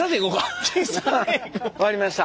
分かりました。